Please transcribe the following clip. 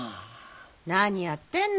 何やってんの？